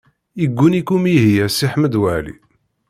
Yegguni-k umihi a Si Ḥmed Waɛli.